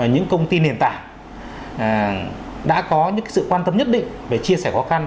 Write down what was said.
những công ty nền tảng đã có những sự quan tâm nhất định về chia sẻ khó khăn